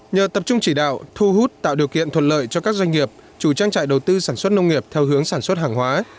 nhờ tập trung chỉ đạo thu hút tạo điều kiện thuận lợi cho các doanh nghiệp chủ trang trại đầu tư sản xuất nông nghiệp theo hướng sản xuất hàng hóa